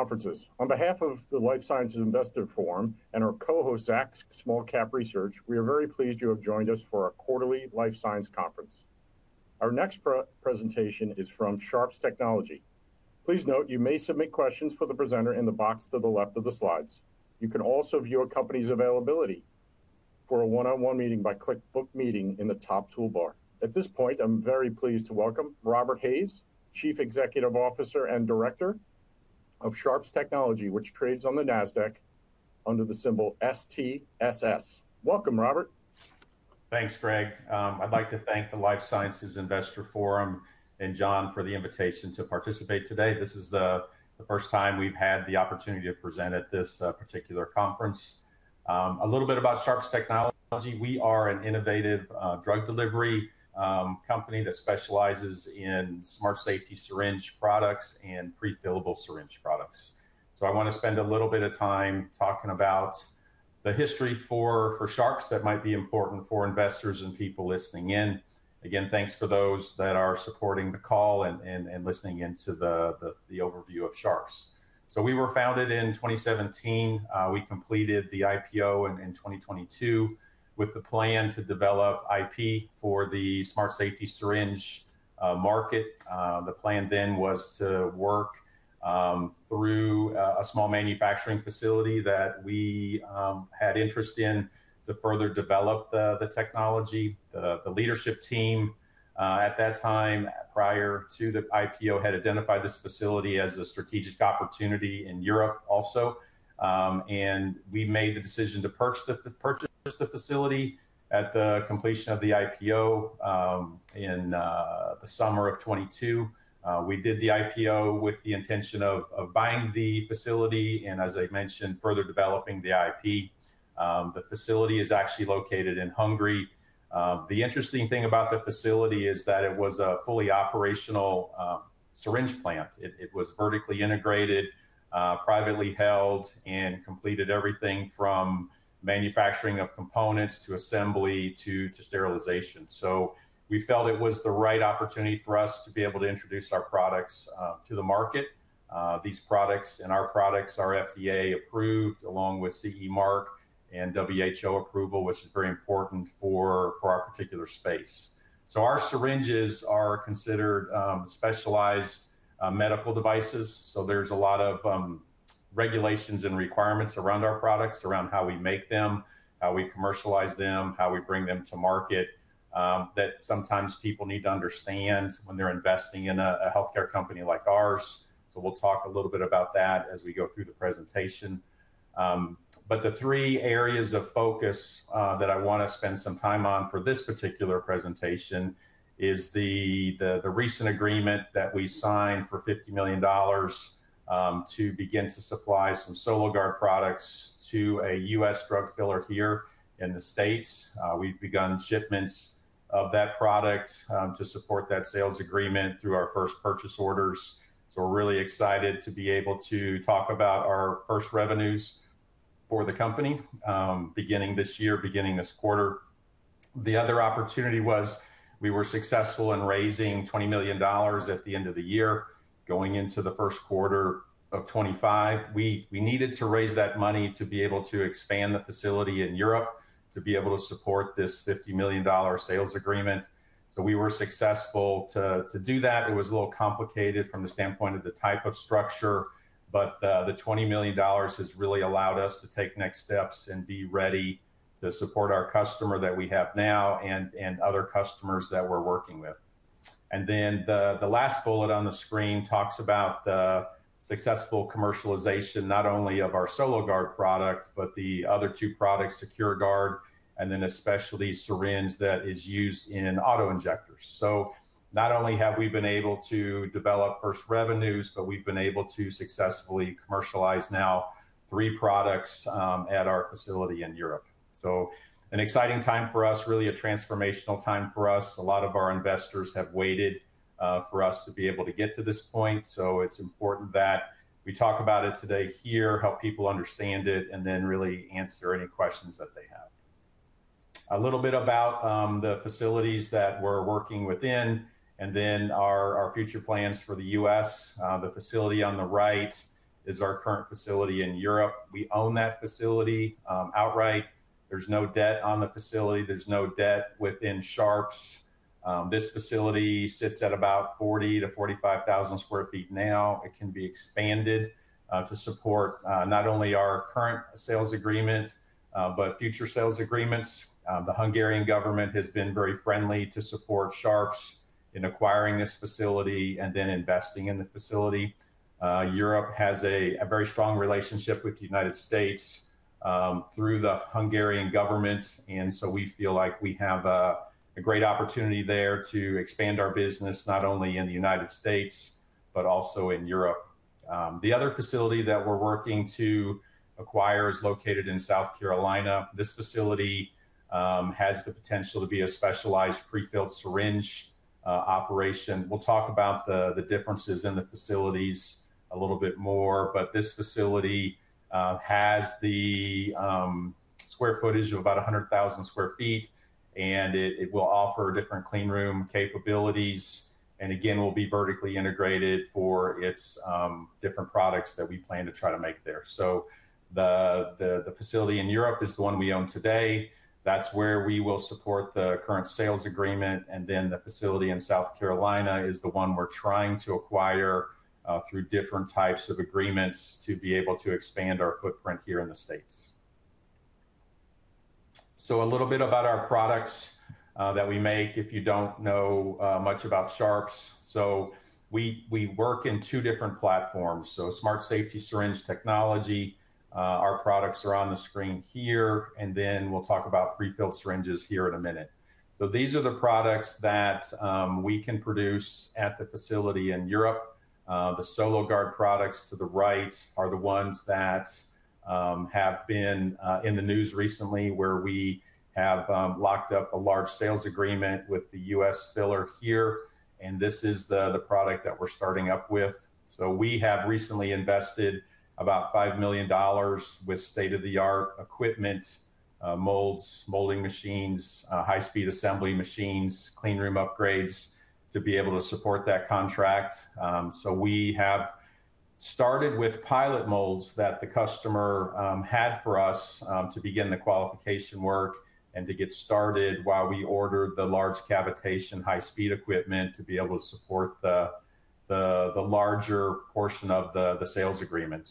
Conferences. On behalf of the Life Sciences Investor Forum and our co-host, Zacks Small Cap Research, we are very pleased you have joined us for our quarterly life science conference. Our next presentation is from Sharps Technology. Please note you may submit questions for the presenter in the box to the left of the slides. You can also view a company's availability for a one-on-one meeting by clicking "Book Meeting" in the top toolbar. At this point, I'm very pleased to welcome Robert Hayes, Chief Executive Officer and Director of Sharps Technology, which trades on the Nasdaq under the symbol STSS. Welcome, Robert. Thanks, Greg. I'd like to thank the Life Sciences Investor Forum and John for the invitation to participate today. This is the first time we've had the opportunity to present at this particular conference. A little bit about Sharps Technology: we are an innovative drug delivery company that specializes in smart safety syringe products and prefillable syringe products. I want to spend a little bit of time talking about the history for Sharps that might be important for investors and people listening in. Again, thanks for those that are supporting the call and listening in to the overview of Sharps. We were founded in 2017. We completed the IPO in 2022 with the plan to develop IP for the smart safety syringe market. The plan then was to work through a small manufacturing facility that we had interest in to further develop the technology. The leadership team at that time, prior to the IPO, had identified this facility as a strategic opportunity in Europe also. We made the decision to purchase the facility at the completion of the IPO in the summer of 2022. We did the IPO with the intention of buying the facility and, as I mentioned, further developing the IP. The facility is actually located in Hungary. The interesting thing about the facility is that it was a fully operational syringe plant. It was vertically integrated, privately held, and completed everything from manufacturing of components to assembly to sterilization. We felt it was the right opportunity for us to be able to introduce our products to the market. These products and our products are FDA approved along with CE mark and WHO approval, which is very important for our particular space. Our syringes are considered specialized medical devices. There is a lot of regulations and requirements around our products, around how we make them, how we commercialize them, how we bring them to market that sometimes people need to understand when they're investing in a healthcare company like ours. We'll talk a little bit about that as we go through the presentation. The three areas of focus that I want to spend some time on for this particular presentation are the recent agreement that we signed for $50 million to begin to supply some SoloGard products to a U.S. drug filler here in the States. We've begun shipments of that product to support that sales agreement through our first purchase orders. We're really excited to be able to talk about our first revenues for the company beginning this year, beginning this quarter. The other opportunity was we were successful in raising $20 million at the end of the year, going into the first quarter of 2025. We needed to raise that money to be able to expand the facility in Europe to be able to support this $50 million sales agreement. We were successful to do that. It was a little complicated from the standpoint of the type of structure, but the $20 million has really allowed us to take next steps and be ready to support our customer that we have now and other customers that we're working with. The last bullet on the screen talks about the successful commercialization, not only of our SoloGard product, but the other two products, SecureGard, and then especially syringe that is used in autoinjectors. Not only have we been able to develop first revenues, but we've been able to successfully commercialize now three products at our facility in Europe. An exciting time for us, really a transformational time for us. A lot of our investors have waited for us to be able to get to this point. It's important that we talk about it today here, help people understand it, and then really answer any questions that they have. A little bit about the facilities that we're working within and then our future plans for the U.S. The facility on the right is our current facility in Europe. We own that facility outright. There's no debt on the facility. There's no debt within Sharps. This facility sits at about 40,000-45,000 sq ft now. It can be expanded to support not only our current sales agreement, but future sales agreements. The Hungarian government has been very friendly to support Sharps in acquiring this facility and then investing in the facility. Europe has a very strong relationship with the United States through the Hungarian government. We feel like we have a great opportunity there to expand our business not only in the United States, but also in Europe. The other facility that we're working to acquire is located in South Carolina. This facility has the potential to be a specialized prefilled syringe operation. We'll talk about the differences in the facilities a little bit more, but this facility has the square footage of about 100,000 sq ft, and it will offer different cleanroom capabilities. We will be vertically integrated for its different products that we plan to try to make there. The facility in Europe is the one we own today. That's where we will support the current sales agreement. The facility in South Carolina is the one we're trying to acquire through different types of agreements to be able to expand our footprint here in the States. A little bit about our products that we make, if you don't know much about Sharps. We work in two different platforms. Smart safety syringe technology, our products are on the screen here, and then we'll talk about prefilled syringes here in a minute. These are the products that we can produce at the facility in Europe. The SoloGard products to the right are the ones that have been in the news recently, where we have locked up a large sales agreement with the U.S. filler here. This is the product that we're starting up with. We have recently invested about $5 million with state-of-the-art equipment, molds, molding machines, high-speed assembly machines, cleanroom upgrades to be able to support that contract. We have started with pilot molds that the customer had for us to begin the qualification work and to get started while we ordered the large cavitation high-speed equipment to be able to support the larger portion of the sales agreement.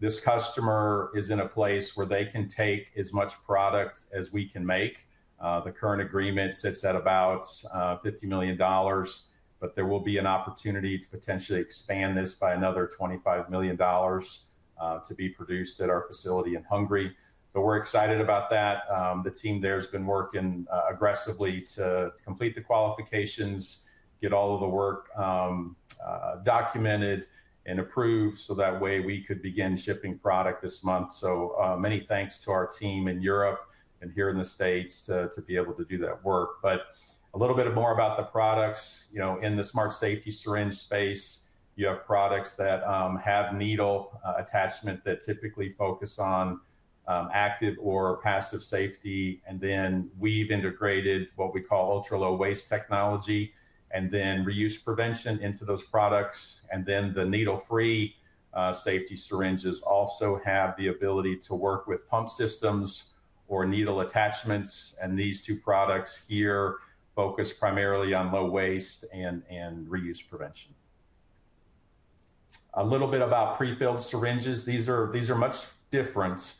This customer is in a place where they can take as much product as we can make. The current agreement sits at about $50 million, but there will be an opportunity to potentially expand this by another $25 million to be produced at our facility in Hungary. We're excited about that. The team there has been working aggressively to complete the qualifications, get all of the work documented and approved so that way we could begin shipping product this month. Many thanks to our team in Europe and here in the States to be able to do that work. A little bit more about the products. In the smart safety syringe space, you have products that have needle attachment that typically focus on active or passive safety. We have integrated what we call ultra-low waste technology and reuse prevention into those products. The needle-free safety syringes also have the ability to work with pump systems or needle attachments. These two products here focus primarily on low waste and reuse prevention. A little bit about prefilled syringes. These are much different.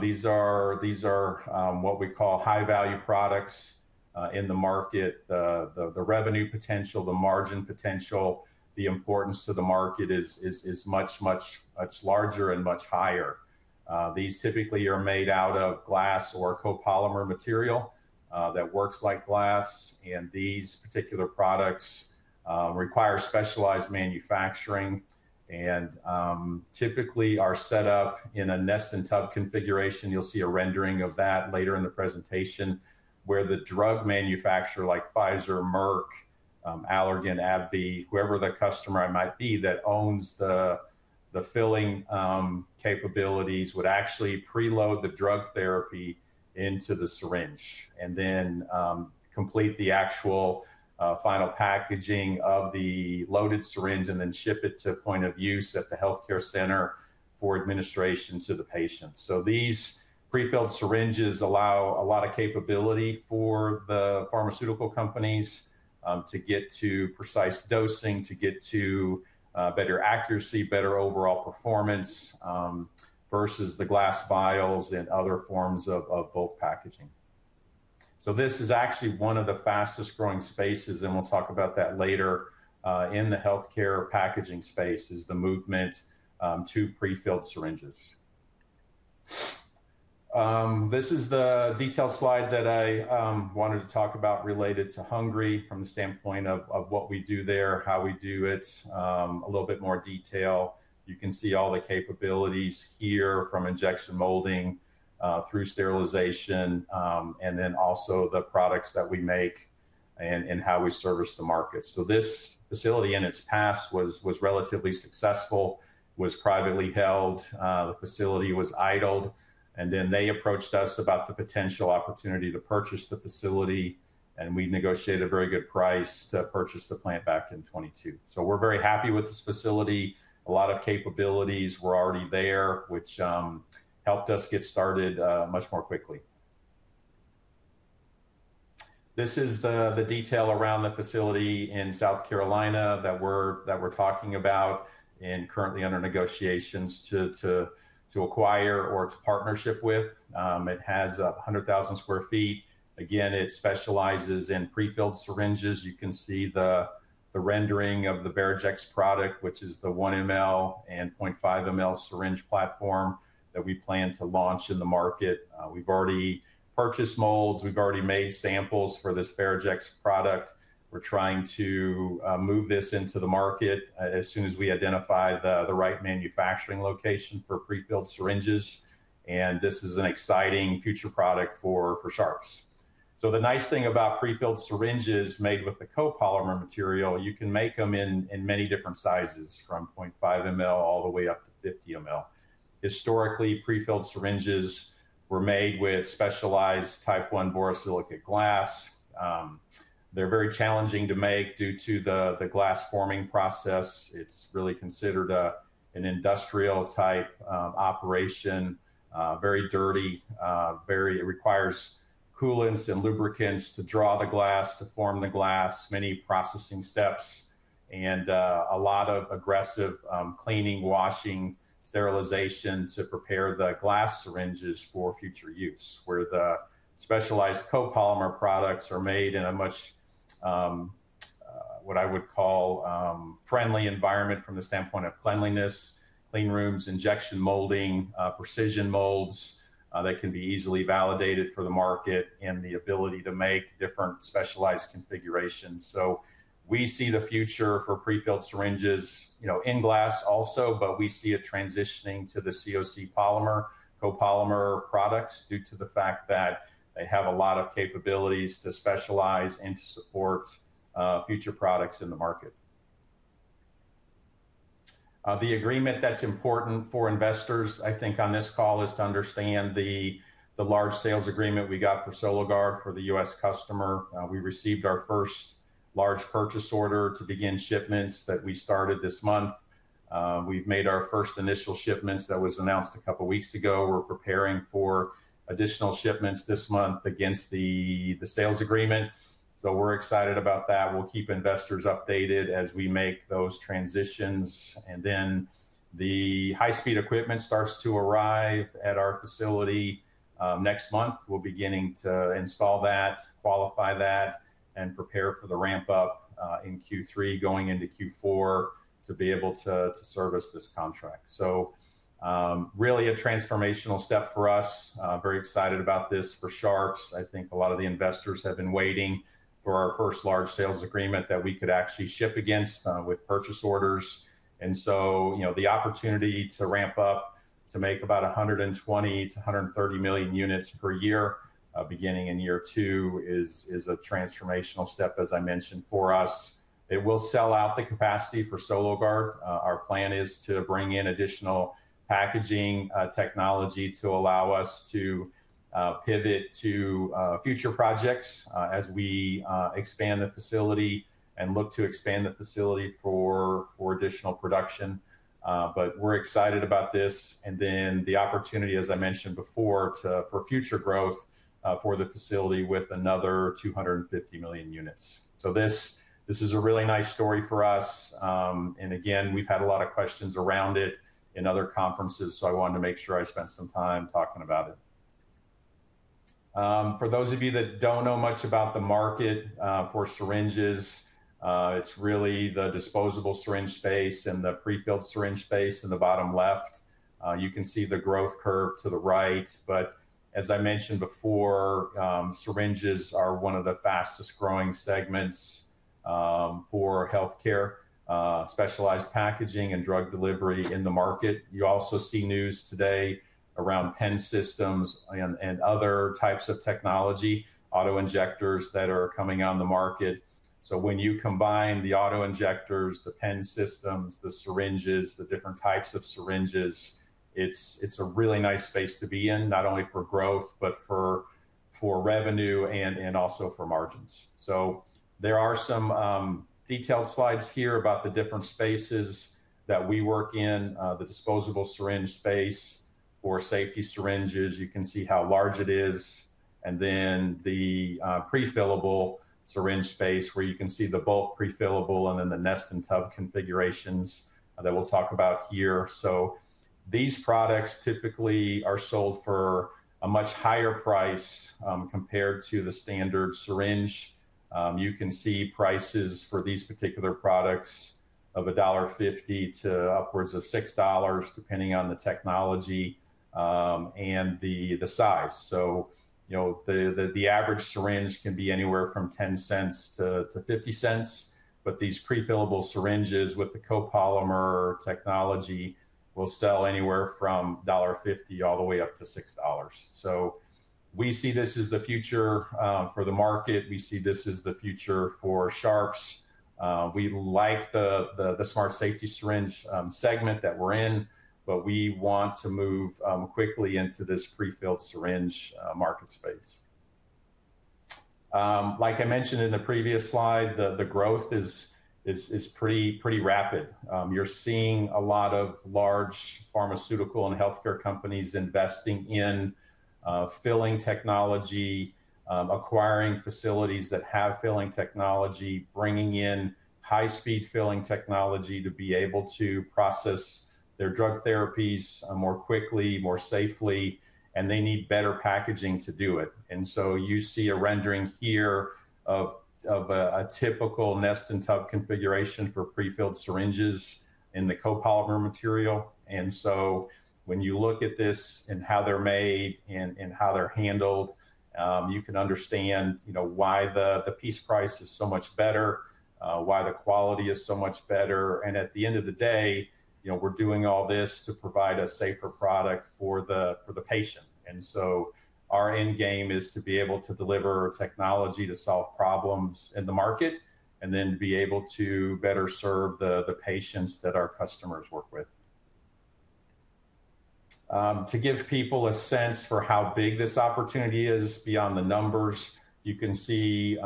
These are what we call high-value products in the market. The revenue potential, the margin potential, the importance to the market is much, much, much larger and much higher. These typically are made out of glass or copolymer material that works like glass. And these particular products require specialized manufacturing and typically are set up in a nest and tub configuration. You'll see a rendering of that later in the presentation where the drug manufacturer like Pfizer, Merck, Allergan, AbbVie, whoever the customer might be that owns the filling capabilities would actually preload the drug therapy into the syringe and then complete the actual final packaging of the loaded syringe and then ship it to point of use at the healthcare center for administration to the patient. These prefilled syringes allow a lot of capability for the pharmaceutical companies to get to precise dosing, to get to better accuracy, better overall performance versus the glass vials and other forms of bulk packaging. This is actually one of the fastest growing spaces, and we'll talk about that later in the healthcare packaging space is the movement to prefilled syringes. This is the detailed slide that I wanted to talk about related to Hungary from the standpoint of what we do there, how we do it, a little bit more detail. You can see all the capabilities here from injection molding through sterilization and then also the products that we make and how we service the market. This facility in its past was relatively successful, was privately held. The facility was idled. Then they approached us about the potential opportunity to purchase the facility, and we negotiated a very good price to purchase the plant back in 2022. We are very happy with this facility. A lot of capabilities were already there, which helped us get started much more quickly. This is the detail around the facility in South Carolina that we are talking about and currently under negotiations to acquire or to partnership with. It has 100,000 sq ft. Again, it specializes in prefilled syringes. You can see the rendering of the Barrigex product, which is the 1 mL and 0.5 mL syringe platform that we plan to launch in the market. We have already purchased molds. We have already made samples for this Barrigex product. We are trying to move this into the market as soon as we identify the right manufacturing location for prefilled syringes. This is an exciting future product for Sharps. The nice thing about prefilled syringes made with the copolymer material, you can make them in many different sizes from 0.5 mL all the way up to 50 mL. Historically, prefilled syringes were made with specialized Type 1 borosilicate glass. They're very challenging to make due to the glass forming process. It's really considered an industrial type operation, very dirty, requires coolants and lubricants to draw the glass to form the glass, many processing steps, and a lot of aggressive cleaning, washing, sterilization to prepare the glass syringes for future use, where the specialized copolymer products are made in a much, what I would call, friendly environment from the standpoint of cleanliness, cleanrooms, injection molding, precision molds that can be easily validated for the market and the ability to make different specialized configurations. We see the future for prefilled syringes in glass also, but we see a transitioning to the COC polymer, copolymer products due to the fact that they have a lot of capabilities to specialize and to support future products in the market. The agreement that's important for investors, I think on this call, is to understand the large sales agreement we got for SoloGard for the U.S. customer. We received our first large purchase order to begin shipments that we started this month. We've made our first initial shipments that was announced a couple of weeks ago. We're preparing for additional shipments this month against the sales agreement. We're excited about that. We'll keep investors updated as we make those transitions. The high-speed equipment starts to arrive at our facility next month. We're beginning to install that, qualify that, and prepare for the ramp-up in Q3 going into Q4 to be able to service this contract. Really a transformational step for us. Very excited about this for Sharps. I think a lot of the investors have been waiting for our first large sales agreement that we could actually ship against with purchase orders. The opportunity to ramp up to make about 120-130 million units per year beginning in year two is a transformational step, as I mentioned, for us. It will sell out the capacity for SoloGard. Our plan is to bring in additional packaging technology to allow us to pivot to future projects as we expand the facility and look to expand the facility for additional production. We're excited about this. The opportunity, as I mentioned before, for future growth for the facility with another 250 million units. This is a really nice story for us. Again, we've had a lot of questions around it in other conferences, so I wanted to make sure I spent some time talking about it. For those of you that don't know much about the market for syringes, it's really the disposable syringe space and the prefilled syringe space in the bottom left. You can see the growth curve to the right. As I mentioned before, syringes are one of the fastest growing segments for healthcare, specialized packaging, and drug delivery in the market. You also see news today around pen systems and other types of technology, autoinjectors that are coming on the market. When you combine the autoinjectors, the pen systems, the syringes, the different types of syringes, it's a really nice space to be in, not only for growth, but for revenue and also for margins. There are some detailed slides here about the different spaces that we work in, the disposable syringe space for safety syringes. You can see how large it is. The prefillable syringe space, where you can see the bulk prefillable and then the nest and tub configurations that we'll talk about here. These products typically are sold for a much higher price compared to the standard syringe. You can see prices for these particular products of $1.50 to upwards of $6, depending on the technology and the size. The average syringe can be anywhere from 10 cents to 50 cents. These prefillable syringes with the copolymer technology will sell anywhere from $1.50 all the way up to $6. We see this as the future for the market. We see this as the future for Sharps. We like the smart safety syringe segment that we're in, but we want to move quickly into this prefilled syringe market space. Like I mentioned in the previous slide, the growth is pretty rapid. You're seeing a lot of large pharmaceutical and healthcare companies investing in filling technology, acquiring facilities that have filling technology, bringing in high-speed filling technology to be able to process their drug therapies more quickly, more safely, and they need better packaging to do it. You see a rendering here of a typical nest and tub configuration for prefilled syringes in the copolymer material. When you look at this and how they're made and how they're handled, you can understand why the piece price is so much better, why the quality is so much better. At the end of the day, we're doing all this to provide a safer product for the patient. Our end game is to be able to deliver technology to solve problems in the market and then be able to better serve the patients that our customers work with. To give people a sense for how big this opportunity is beyond the numbers, you can see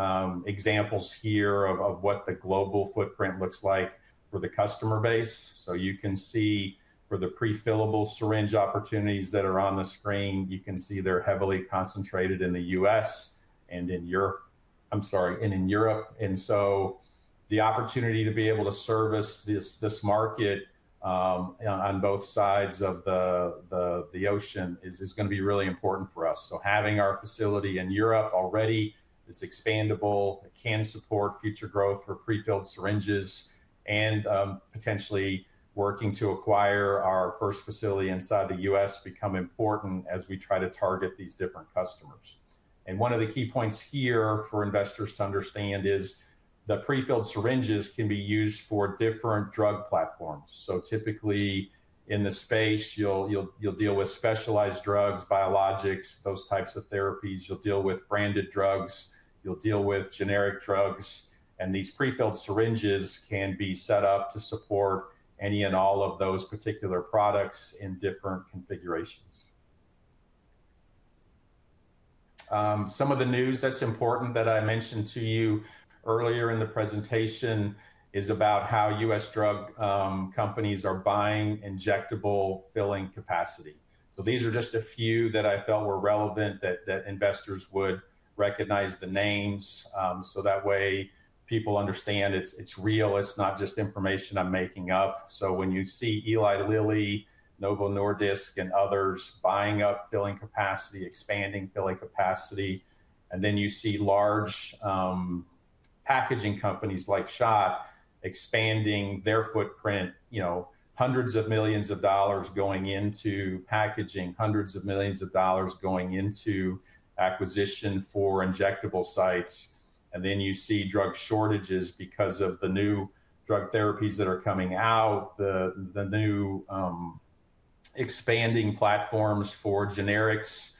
examples here of what the global footprint looks like for the customer base. You can see for the prefillable syringe opportunities that are on the screen, they're heavily concentrated in the U.S. and in Europe. I'm sorry, and in Europe. The opportunity to be able to service this market on both sides of the ocean is going to be really important for us. Having our facility in Europe already, it is expandable. It can support future growth for prefilled syringes and potentially working to acquire our first facility inside the U.S. becomes important as we try to target these different customers. One of the key points here for investors to understand is the prefilled syringes can be used for different drug platforms. Typically in the space, you will deal with specialized drugs, biologics, those types of therapies. You will deal with branded drugs. You will deal with generic drugs. These prefilled syringes can be set up to support any and all of those particular products in different configurations. Some of the news that is important that I mentioned to you earlier in the presentation is about how U.S. Drug companies are buying injectable filling capacity. These are just a few that I felt were relevant that investors would recognize the names. That way people understand it's real. It's not just information I'm making up. When you see Eli Lilly, Novo Nordisk, and others buying up filling capacity, expanding filling capacity, and then you see large packaging companies like Schott expanding their footprint, hundreds of millions of dollars going into packaging, hundreds of millions of dollars going into acquisition for injectable sites. You see drug shortages because of the new drug therapies that are coming out, the new expanding platforms for generics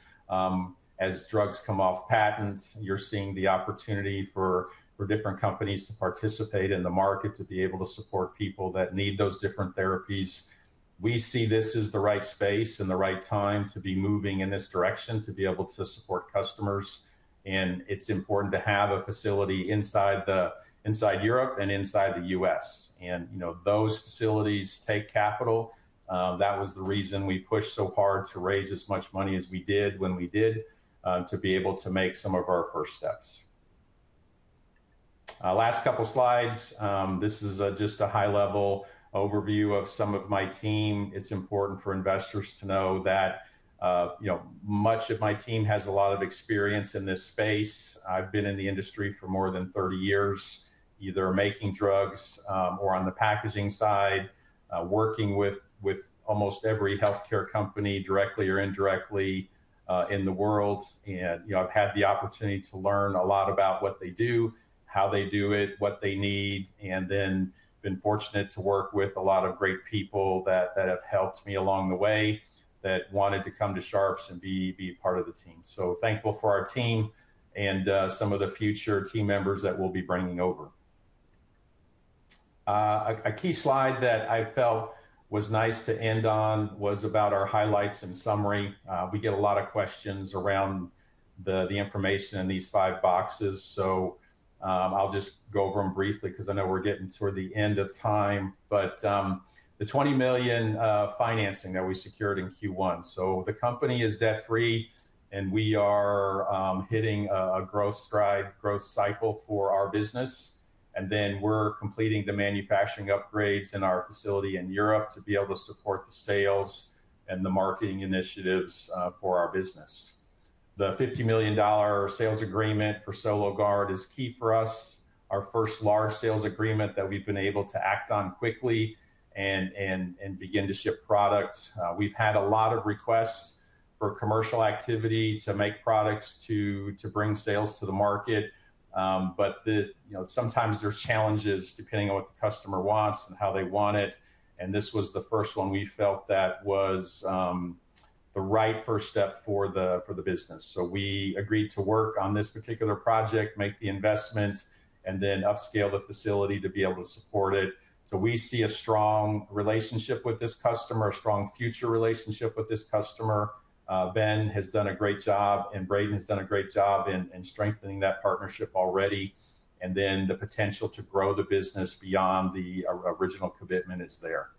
as drugs come off patents. You're seeing the opportunity for different companies to participate in the market to be able to support people that need those different therapies. We see this as the right space and the right time to be moving in this direction to be able to support customers. It is important to have a facility inside Europe and inside the U.S. Those facilities take capital. That was the reason we pushed so hard to raise as much money as we did when we did to be able to make some of our first steps. Last couple of slides. This is just a high-level overview of some of my team. It is important for investors to know that much of my team has a lot of experience in this space. I have been in the industry for more than 30 years, either making drugs or on the packaging side, working with almost every healthcare company directly or indirectly in the world. I've had the opportunity to learn a lot about what they do, how they do it, what they need, and then been fortunate to work with a lot of great people that have helped me along the way that wanted to come to Sharps and be part of the team. I'm thankful for our team and some of the future team members that we'll be bringing over. A key slide that I felt was nice to end on was about our highlights and summary. We get a lot of questions around the information in these five boxes. I'll just go over them briefly because I know we're getting toward the end of time. The $20 million financing that we secured in Q1, the company is debt-free, and we are hitting a growth stride, growth cycle for our business. We are completing the manufacturing upgrades in our facility in Europe to be able to support the sales and the marketing initiatives for our business. The $50 million sales agreement for SoloGard is key for us, our first large sales agreement that we have been able to act on quickly and begin to ship products. We have had a lot of requests for commercial activity to make products to bring sales to the market. Sometimes there are challenges depending on what the customer wants and how they want it. This was the first one we felt was the right first step for the business. We agreed to work on this particular project, make the investment, and upscale the facility to be able to support it. We see a strong relationship with this customer, a strong future relationship with this customer. Ben has done a great job, and Braden has done a great job in strengthening that partnership already. The potential to grow the business beyond the original commitment is there.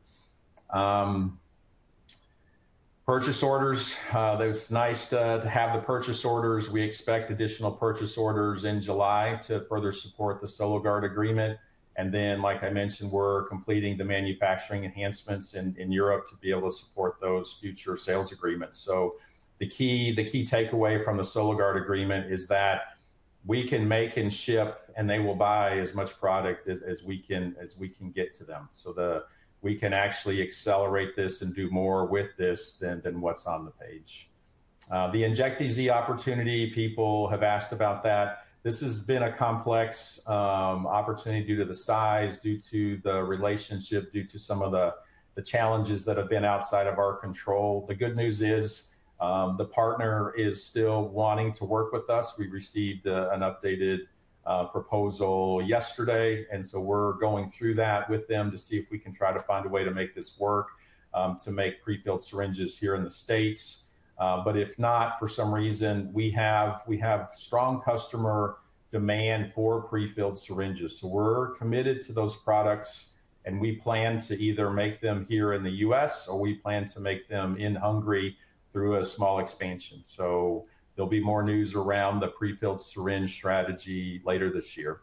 Purchase orders. It's nice to have the purchase orders. We expect additional purchase orders in July to further support the SoloGard agreement. Like I mentioned, we're completing the manufacturing enhancements in Europe to be able to support those future sales agreements. The key takeaway from the SoloGard agreement is that we can make and ship, and they will buy as much product as we can get to them. We can actually accelerate this and do more with this than what's on the page. The InjectEZ opportunity, people have asked about that. This has been a complex opportunity due to the size, due to the relationship, due to some of the challenges that have been outside of our control. The good news is the partner is still wanting to work with us. We received an updated proposal yesterday. We are going through that with them to see if we can try to find a way to make this work to make prefilled syringes here in the U.S. If not, for some reason, we have strong customer demand for prefilled syringes. We are committed to those products, and we plan to either make them here in the U.S. or we plan to make them in Hungary through a small expansion. There will be more news around the prefilled syringe strategy later this year.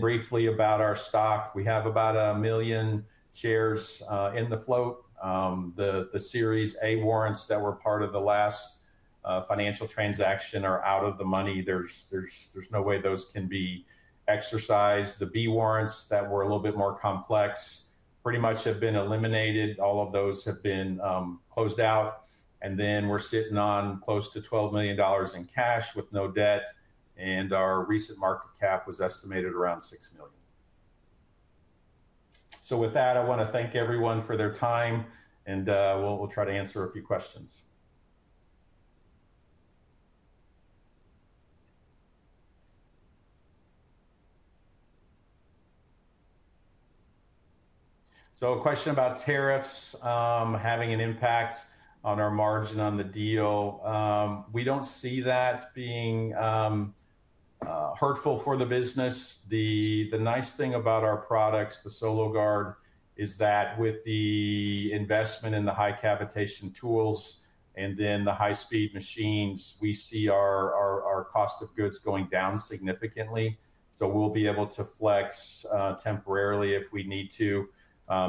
Briefly about our stock, we have about 1 million shares in the float. The Series A warrants that were part of the last financial transaction are out of the money. There's no way those can be exercised. The B warrants that were a little bit more complex pretty much have been eliminated. All of those have been closed out. We are sitting on close to $12 million in cash with no debt. Our recent market cap was estimated around $6 million. With that, I want to thank everyone for their time, and we'll try to answer a few questions. A question about tariffs having an impact on our margin on the deal. We do not see that being hurtful for the business. The nice thing about our products, the SoloGard, is that with the investment in the high cavitation tools and then the high-speed machines, we see our cost of goods going down significantly. We will be able to flex temporarily if we need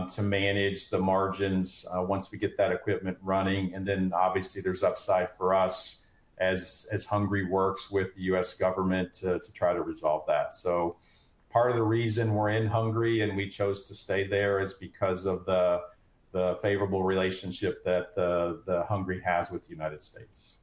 to manage the margins once we get that equipment running. Obviously, there is upside for us as Hungary works with the U.S. government to try to resolve that. Part of the reason we are in Hungary and chose to stay there is because of the favorable relationship that Hungary has with the United States.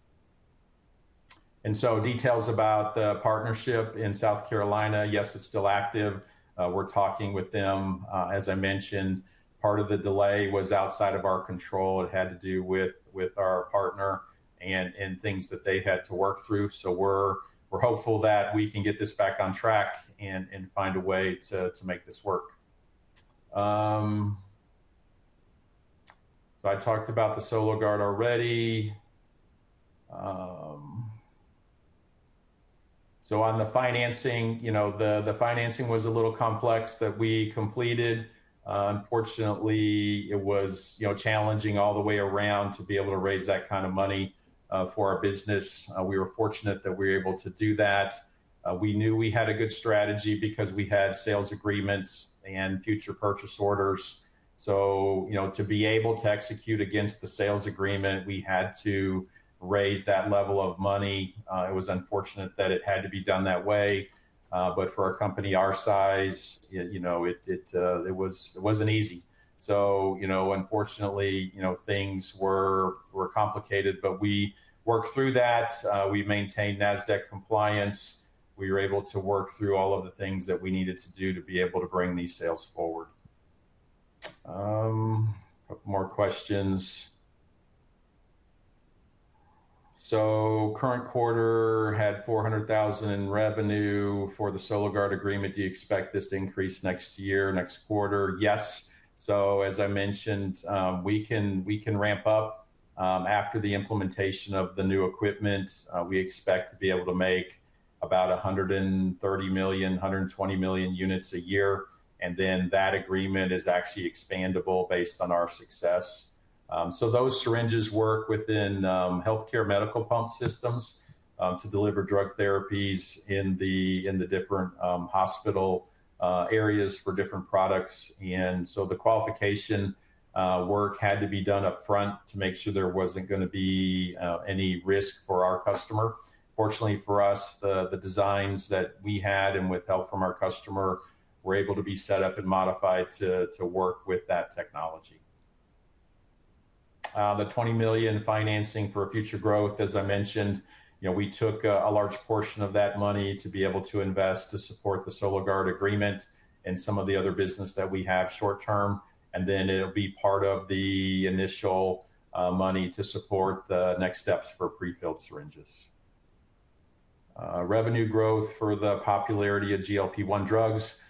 Details about the partnership in South Carolina, yes, it is still active. We are talking with them. As I mentioned, part of the delay was outside of our control. It had to do with our partner and things that they had to work through. We are hopeful that we can get this back on track and find a way to make this work. I talked about the SoloGard already. On the financing, the financing was a little complex that we completed. Unfortunately, it was challenging all the way around to be able to raise that kind of money for our business. We were fortunate that we were able to do that. We knew we had a good strategy because we had sales agreements and future purchase orders. To be able to execute against the sales agreement, we had to raise that level of money. It was unfortunate that it had to be done that way. For a company our size, it was not easy. Unfortunately, things were complicated, but we worked through that. We maintained Nasdaq compliance. We were able to work through all of the things that we needed to do to be able to bring these sales forward. A couple more questions. Current quarter had $400,000 in revenue for the SoloGard agreement. Do you expect this to increase next year, next quarter? Yes. As I mentioned, we can ramp up after the implementation of the new equipment. We expect to be able to make about 130 million-120 million units a year. That agreement is actually expandable based on our success. Those syringes work within healthcare medical pump systems to deliver drug therapies in the different hospital areas for different products. The qualification work had to be done upfront to make sure there was not going to be any risk for our customer. Fortunately for us, the designs that we had and with help from our customer were able to be set up and modified to work with that technology. The $20 million financing for future growth, as I mentioned, we took a large portion of that money to be able to invest to support the SoloGard agreement and some of the other business that we have short term. It will be part of the initial money to support the next steps for prefilled syringes. Revenue growth for the popularity of GLP-1 drugs.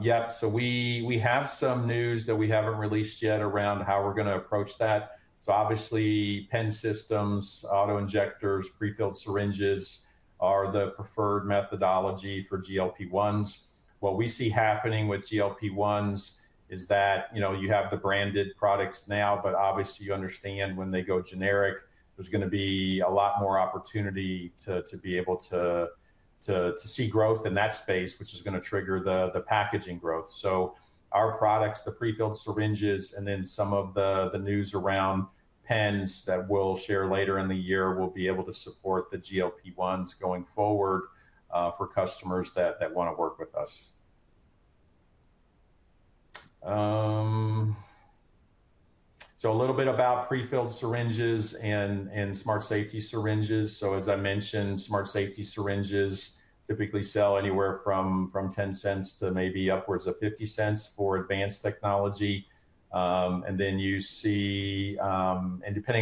Yep. We have some news that we haven't released yet around how we're going to approach that. Obviously, pen systems, auto injectors, prefilled syringes are the preferred methodology for GLP-1s. What we see happening with GLP-1s is that you have the branded products now, but obviously you understand when they go generic, there's going to be a lot more opportunity to be able to see growth in that space, which is going to trigger the packaging growth. Our products, the prefilled syringes, and then some of the news around pens that we'll share later in the year will be able to support the GLP-1s going forward for customers that want to work with us. A little bit about prefilled syringes and smart safety syringes. As I mentioned, smart safety syringes typically sell anywhere from $0.10 to maybe upwards of $0.50 for advanced technology. Depending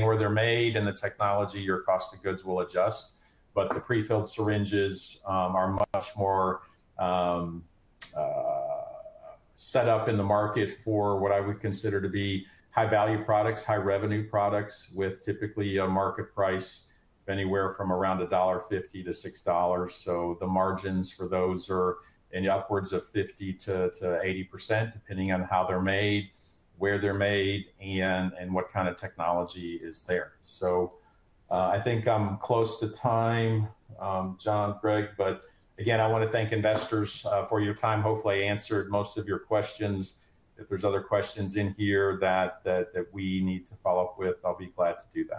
where they're made and the technology, your cost of goods will adjust. The prefilled syringes are much more set up in the market for what I would consider to be high-value products, high-revenue products with typically a market price anywhere from around $1.50-$6. The margins for those are in the upwards of 50%-80% depending on how they're made, where they're made, and what kind of technology is there. I think I'm close to time, John, Greg, but again, I want to thank investors for your time. Hopefully, I answered most of your questions. If there's other questions in here that we need to follow up with, I'll be glad to do that.